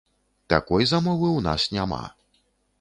Такой замовы ў нас няма.